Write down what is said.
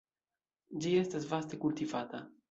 Ĝi estas vaste kultivata.